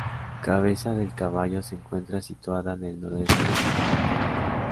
Cabeza del Caballo se encuentra situada en el noroeste salmantino.